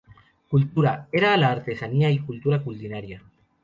Cultura: era la artesanía y Cultura culinaria.